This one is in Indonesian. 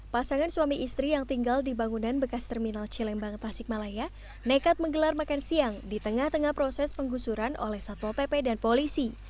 pasangan suami istri yang tinggal di bangunan bekas terminal cilembang tasikmalaya nekat menggelar makan siang di tengah tengah proses penggusuran oleh satpol pp dan polisi